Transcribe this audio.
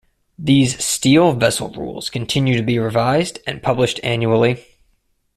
These Steel Vessel Rules continue to be revised and published annually.